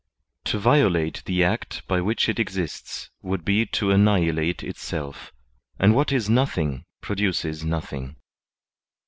To violate the act by which it eaists would be to annihilate itself; and what is nothing produces nothing.